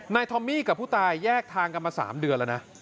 ทอมมี่กับผู้ตายแยกทางกันมา๓เดือนแล้วนะ